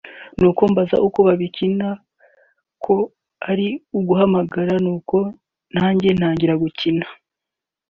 nuko mbaza uko babikina bambwira ko ari uguhamagara nuko nanjye ntangira gukina